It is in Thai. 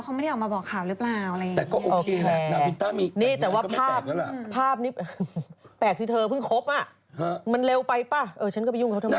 ภาพนี้แปลกสิเธอเพิ่งครบอ่ะมันเร็วไปป่ะเออฉันก็ไปยุ่งเขาทำไม